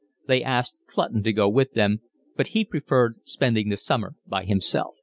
They asked Clutton to go with them, but he preferred spending the summer by himself.